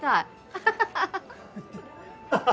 ハハハハハ！